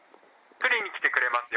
取りに来てくれますよ。